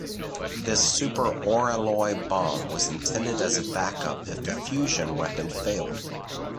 This "Super Oralloy Bomb" was intended as a backup if the fusion weapon failed.